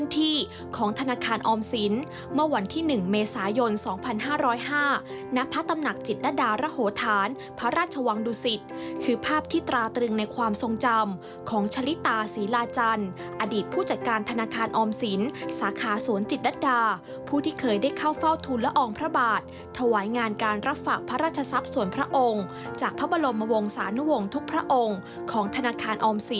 ติตาศรีราจันทร์อดีตผู้จัดการธนาคารออมศิลป์สาขาสวนจิตตรัทดา